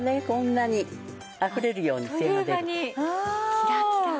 キラキラ。